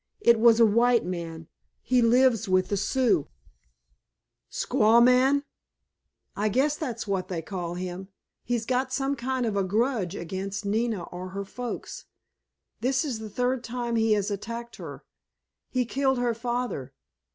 It was a white man. He lives with the Sioux——" "Squaw man?" "I guess that's what they call him. He's got some kind of a grudge against Nina or her folks. This is the third time he has attacked her. He killed her father.